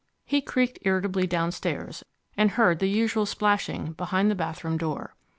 He creaked irritably downstairs, and heard the usual splashing behind the bathroom door.